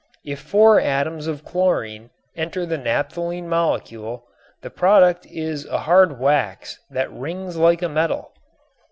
If four atoms of chlorine enter the naphthalene molecule the product is a hard wax that rings like a metal.